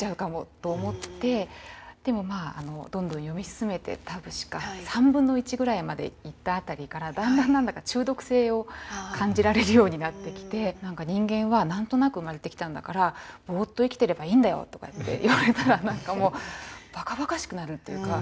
でもまあどんどん読み進めて確か３分の１ぐらいまでいった辺りからだんだん何だか中毒性を感じられるようになってきて「人間は何となく生まれてきたんだからぼーっと生きてればいいんだよ」とかって言われたらばかばかしくなるっていうか。